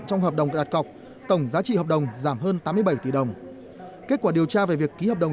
trong hợp đồng đặt cọc tổng giá trị hợp đồng giảm hơn tám mươi bảy tỷ đồng kết quả điều tra về việc ký hợp đồng